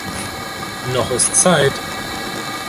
Noch ist Zeit.